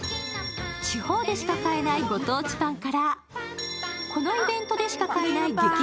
地方でしか買えないご当地パンからこのイベントでしか買えない激